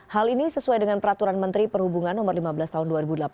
hal ini sesuai dengan peraturan menteri perhubungan no lima belas tahun dua ribu delapan belas